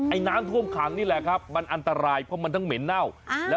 น้ำท่วมขังนี่แหละครับมันอันตรายเพราะมันทั้งเหม็นเน่าแล้ว